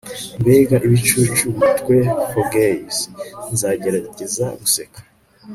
mbega ibicucu twe fogeys! nzagerageza guseka